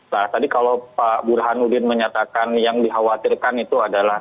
nah tadi kalau pak burhanuddin menyatakan yang dikhawatirkan itu adalah